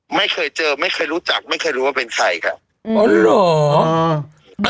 ไม่เคยเจอไม่เคยรู้จักไม่เคยรู้ว่าเป็นใครค่ะอ๋อเหรอ